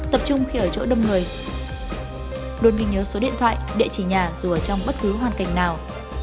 tập trung khi ở chỗ đâm người luôn ghi nhớ số điện thoại địa chỉ nhà dù ở trong bất cứ hoàn cảnh nào